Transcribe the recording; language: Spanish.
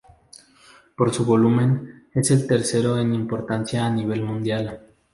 Por su volumen, es el tercero en importancia a nivel mundial.